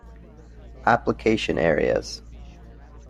Application Areas